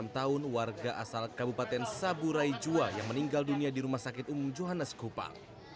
enam tahun warga asal kabupaten saburai jua yang meninggal dunia di rumah sakit umum johannes kupang